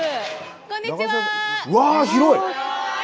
こんにちは。